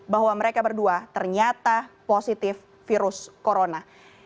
bahwa mereka berdua ternyata positif virus corona